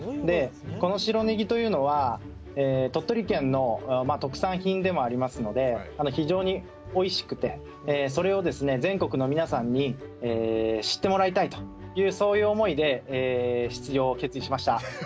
でこの白ネギというのは鳥取県の特産品でもありますので非常においしくてそれを全国の皆さんに知ってもらいたいというそういう思いで出場を決意しました。